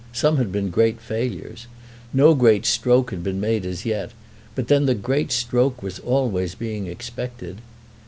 Some had been great failures. No great stroke had been made as yet, but then the great stroke was always being expected.